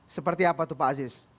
seperti apa tuh pak aziz